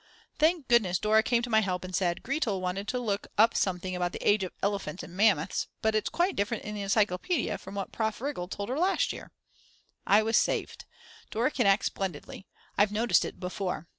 Thank goodness Dora came to my help and said: "Gretel wanted to look up something about the age of elephants and mammoths, but it's quite different in the encyclopedia from what Prof. Rigl told her last year." I was saved. Dora can act splendidly; I've noticed it before.